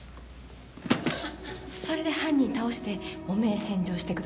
それで犯人倒して汚名返上してください。